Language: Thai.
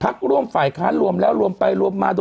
ร่วมฝ่ายค้านรวมแล้วรวมไปรวมมา